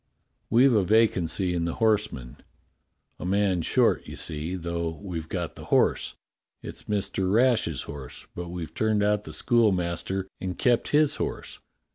'^" "We've a vacancy in the horsemen — a man short, you see, though we've got the horse. It's Mr. Rash's horse, but we've turned out the schoolmaster and kept his horse.